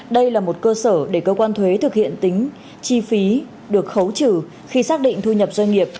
đây là một cơ sở để cơ quan thuế thực hiện tính chi phí được khấu trừ khi xác định thu nhập doanh nghiệp